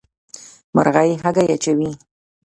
مرغۍ هګۍ اچوي.